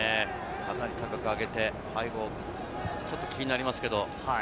かなり高く上げて、ちょっと気になりますけれど。